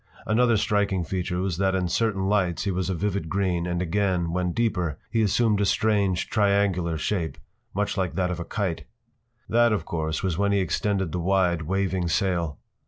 Another striking feature was that in certain lights he was a vivid green, and again, when deeper, he assumed a strange, triangular shape, much like that of a kite. That, of course, was when he extended the wide, waving sail.